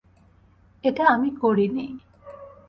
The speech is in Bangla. এটা আমি করিনি।